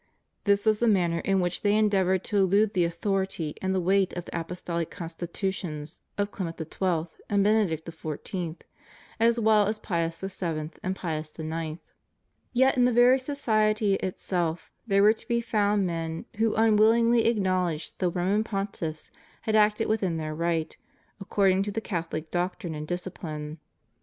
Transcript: This was the manner in which they endeavored to elude the authority and the weight of the Apostolic Constitutions of Clement XII. and Benedict XIV., as well as of Pius VII. and Pius IX. Yet in the very society itself there were to be found men who unwillingly ac knowledged that the Roman Pontiffs had acted within their right, according to the Catholic doctrine and dis cipline.